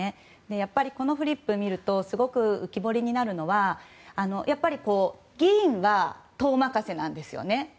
やっぱりこのフリップを見るとすごく浮き彫りになるのは議員は党任せなんですよね。